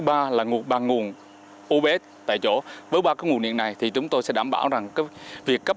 thứ ba là bằng nguồn obs tại chỗ với ba cái nguồn điện này thì chúng tôi sẽ đảm bảo rằng việc cấp